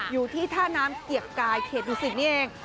อยู่ที่ท่าน้ำเกียรกายเขตดุสิตนี่เอง